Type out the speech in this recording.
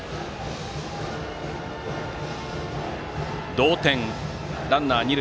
同点でランナー、二塁。